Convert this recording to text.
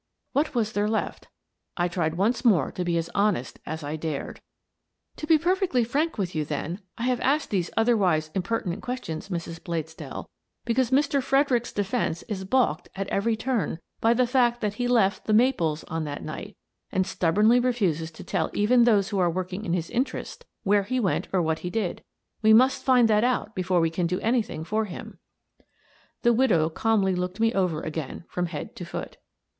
What was there left? I tried once more to be as honest as I dared. 204 Miss Frances Baird, Detective ———————— ~^s— " To be perfectly frank with you, then, I have asked these otherwise impertinent questions, Mrs. Bladesdell, because Mr. Fredericks's defence is balked at every turn by the fact that he left ' The Maples ' on that night, and stubbornly refuses to tell even those who are working in his interests where he went or what he did. We must find that out be fore we can do anything for him." The widow calmly looked me over again from head to foot.